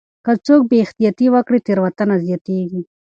که څوک بې احتياطي وکړي تېروتنه زياتيږي.